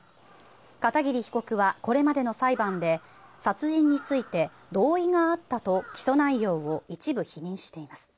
片桐被告はこれまでの裁判で殺人について同意があったと起訴内容を一部否認しています。